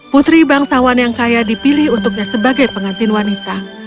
putri bangsawan yang kaya dipilih untuknya sebagai pengantin wanita